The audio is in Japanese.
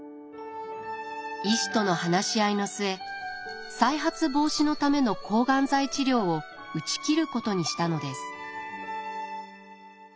医師との話し合いの末再発防止のための抗がん剤治療を打ち切ることにしたのです。